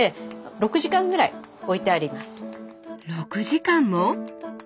６時間も！？